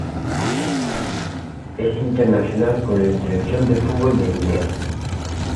Es internacional con la selección de fútbol de Guinea.